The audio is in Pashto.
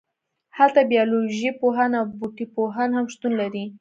هلته بیالوژی پوهان او بوټي پوهان هم شتون لري